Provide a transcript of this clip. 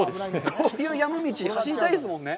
こういう山道、走りたいですもんね。